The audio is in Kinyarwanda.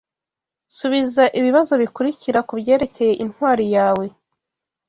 subiza ibibazo bikurikira kubyerekeye intwari yawe: